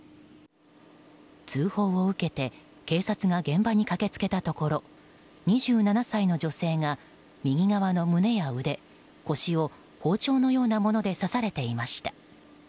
通報を受けて警察が現場に駆け付けたところ２７歳の女性が右側の胸や腕、腰を包丁のようなもので刺されていました。